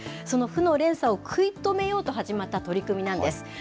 その負の連鎖を食い止めようと始まった取り組みなんです。